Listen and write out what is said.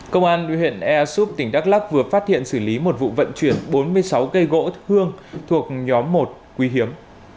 công an huyện air soup tỉnh đắk lắk vừa phát hiện xử lý một vụ vận chuyển bốn mươi sáu cây gỗ thương thuộc nhóm một quy hiếm